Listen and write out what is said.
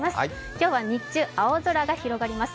今日は日中、青空が広がります。